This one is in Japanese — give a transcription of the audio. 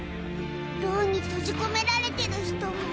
牢に閉じ込められてる人も。